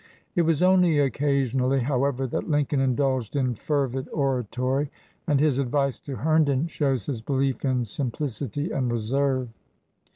It was only occasionally, however, that Lincoln indulged in fervid oratory, and his advice to Herndon shows his belief in simplicity and reserve.